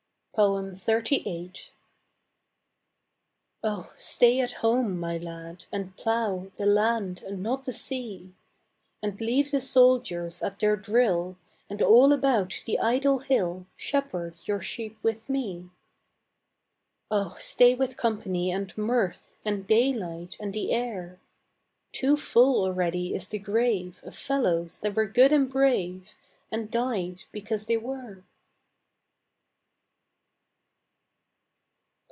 XXXVIII. Oh stay at home, my lad, and plough The land and not the sea, And leave the soldiers at their drill, And all about the idle hill Shepherd your sheep with me. Oh stay with company and mirth And daylight and the air; Too full already is the grave Of fellows that were good and brave And died because they were.